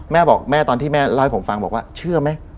แม่บอกแม่ตอนที่แม่เล่าให้ผมฟังบอกว่าเชื่อไหม